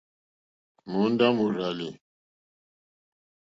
Mòòndó mòrzàlì.